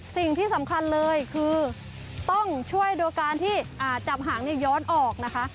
สิ่งที่สำคัญเลยคือต้องช่วยโดยการที่จับหางย้อนออกนะคะ